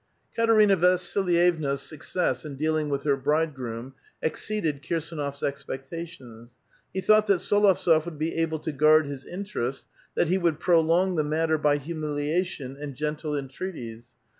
Katerina Vasllyevna's success in dealing with her " bride groom" exceeded Kirs^nof s expectations. He thought that ^t61ovtsof would be able to guard his interests, that be would prolong the matter by humiliation and gentle en treaties.